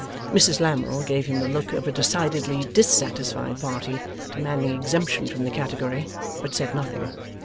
Mrs Lammle gave him the look of a decidedly dissatisfied party demanding exemption from the category; but said nothing.